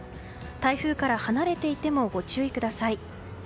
台風から離れていてもご注意ください。